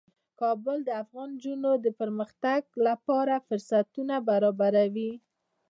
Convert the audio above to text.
کابل د افغان نجونو د پرمختګ لپاره فرصتونه برابروي.